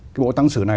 cái bộ tăng xử này